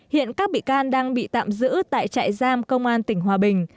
hiện các bị can đang bị tạm giữ tại trại giam công an tỉnh hòa bình